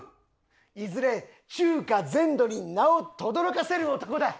いずれ中華全土に名を轟かせる男だ！